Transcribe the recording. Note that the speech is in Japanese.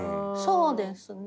そうですね。